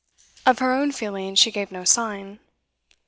Of her own feeling she gave no sign.